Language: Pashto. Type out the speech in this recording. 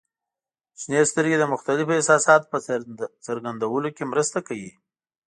• شنې سترګې د مختلفو احساساتو په څرګندولو کې مرسته کوي.